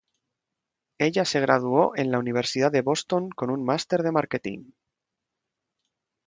Ella se graduó en la universidad de Boston con un master de marketing.